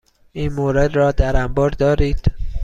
این مورد را در انبار دارید؟